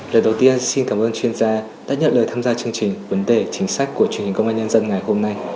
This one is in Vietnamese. lời đầu tiên xin cảm ơn chuyên gia đã nhận lời tham gia chương trình vấn đề chính sách của truyền hình công an nhân dân ngày hôm nay